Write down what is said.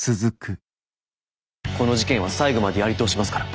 この事件は最後までやり通しますから。